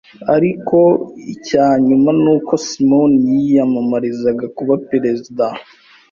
Ariko icyanyuma nuko Simon yiyamamariza kuba perezida